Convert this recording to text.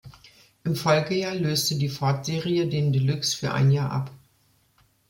Im Folgejahr löste die Ford-Serie den Deluxe für ein Jahr ab.